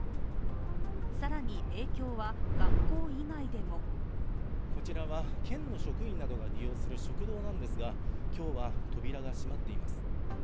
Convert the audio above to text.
更に影響は学校以外でもこちらは県の職員などが利用する食堂なのですが今日は扉が閉まっています。